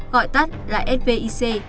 gọi tắt là svic